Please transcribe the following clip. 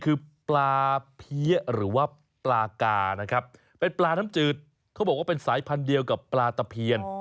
คือปลาเพี้ยหรือว่าปลากานะครับเป็นปลาน้ำจืดเขาบอกว่าเป็นสายพันธุ์เดียวกับปลาตะเพียน